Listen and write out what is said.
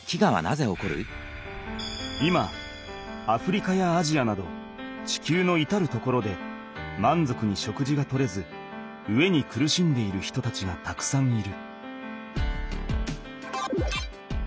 今アフリカやアジアなど地球のいたる所でまんぞくに食事が取れず飢えに苦しんでいる人たちがたくさんいる。